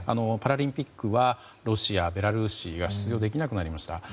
パラリンピックはロシア、ベラルーシが出場できなくなりました。